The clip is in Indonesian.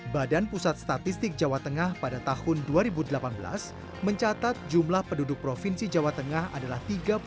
badan pusat statistik jawa tengah pada tahun dua ribu delapan belas mencatat jumlah penduduk provinsi jawa tengah adalah